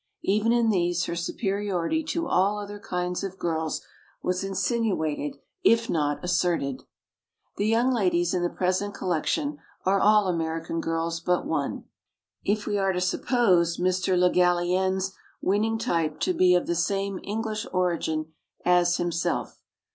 Even in these her superiority to all other kinds of girls was insinuated if not asserted. The young ladies in the present collection are all American girls but one, if we are to suppose Mr. Le Gallienne's winning type to be of the same English origin as himself.